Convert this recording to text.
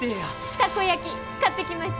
たこ焼き買ってきました！